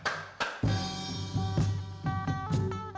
antar etnis di kalimantan barat